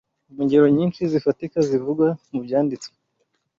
Mu ngero nyinshi zifatika zivugwa mu Byanditswe